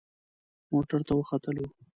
موټر ته وختلو.